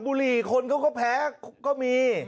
บุหรี่คนเขาก็แพ้ก็มี